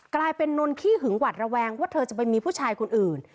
กลายเป็นนนขี้หึงหวัดระแวงว่าเธอจะไปมีผู้ชายคนอื่น